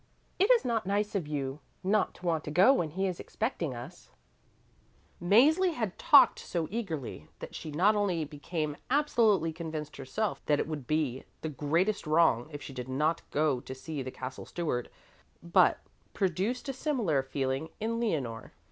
It is not nice of you not to want to go when he is expecting us." Mäzli had talked so eagerly that she not only became absolutely convinced herself that it would be the greatest wrong if she did not go to see the Castle Steward, but produced a similar feeling in Leonore.